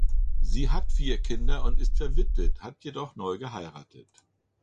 Sie hat vier Kinder und ist verwitwet, hat jedoch neu geheiratet.